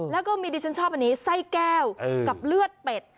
แล้วก็มีดิฉันชอบอันนี้ไส้แก้วกับเลือดเป็ด